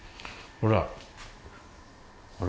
ほら。